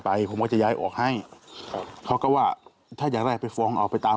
ผมก็จะย้ายออกให้ครับเขาก็ว่าถ้าอยากได้ไปฟ้องเอาไปตาม